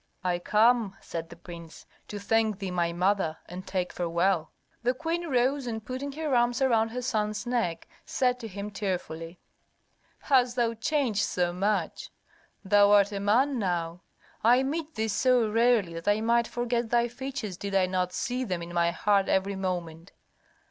"I come," said the prince, "to thank thee, my mother, and take farewell." The queen rose and putting her arms around her son's neck, said to him tearfully, "Hast thou changed so much? Thou art a man now! I meet thee so rarely that I might forget thy features did I not see them in my heart every moment.